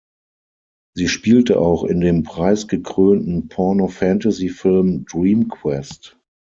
Sie spielte auch in dem preisgekrönten Porno-Fantasy-Film Dream Quest.